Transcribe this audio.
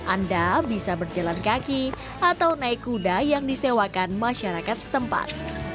anda bisa berjalan kaki atau naik kuda yang disewakan masyarakat setempat